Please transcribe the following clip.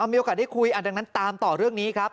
มีโอกาสได้คุยดังนั้นตามต่อเรื่องนี้ครับ